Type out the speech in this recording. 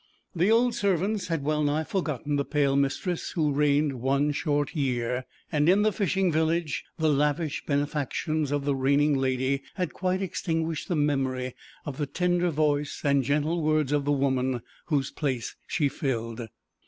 The old servants had well nigh forgotten the pale mistress who reigned one short year; and in the fishing village the lavish benefactions of the reigning lady had quite extinguished the memory of the tender voice and gentle words of the woman whose place she filled.